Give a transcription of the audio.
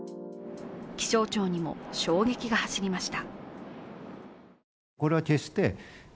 気象庁にも衝撃が走りました。